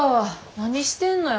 何してんのや。